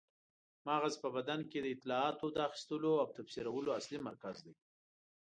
مغز په بدن کې د اطلاعاتو د اخیستلو او تفسیرولو اصلي مرکز دی.